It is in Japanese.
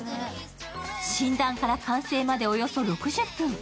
診断から完成までおよそ６０分。